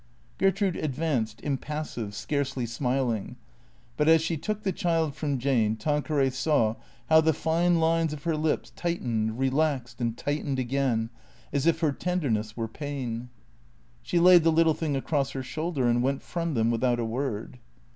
Gertrude advanced, impassive, scarcely smiling. But as she took the child from Jane, Tanqueray saw how the fine lines of her lips tightened, relaxed, and tightened again, as if her ten derness were pain. She laid the little thing across her shoulder and went from them without a word.